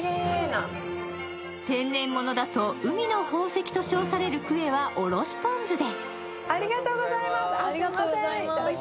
天然物だと海の宝石と称されるクエはおろしポン酢で。